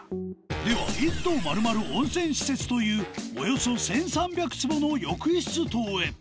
では１棟まるまる温泉施設というおよそ１３００坪の浴室棟へ！